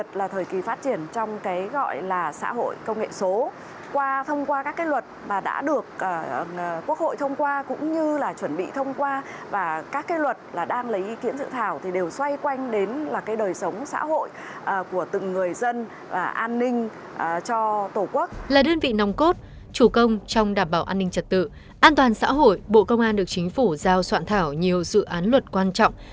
trong toàn xã hội bộ công an được chính phủ giao soạn thảo nhiều dự án luật quan trọng